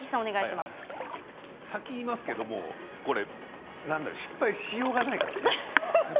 先にいきますがこれ失敗しようがないからね。